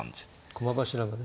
駒柱がね